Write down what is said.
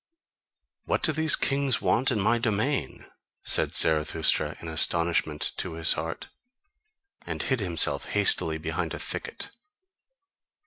"What do these kings want in my domain?" said Zarathustra in astonishment to his heart, and hid himself hastily behind a thicket.